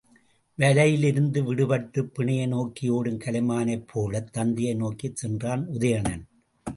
வலையிலிருந்து விடுபட்டுப் பிணையை நோக்கி ஒடும் கலைமானைப் போலத் தத்தையை நோக்கிச் சென்றான் உதயணன்.